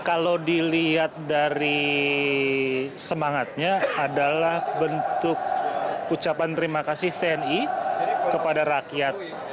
kalau dilihat dari semangatnya adalah bentuk ucapan terima kasih tni kepada rakyat